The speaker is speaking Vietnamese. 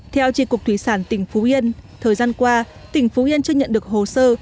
theo tri cục thủy sản tỉnh phú yên thời gian qua tỉnh phú yên chưa nhận được hồ sơ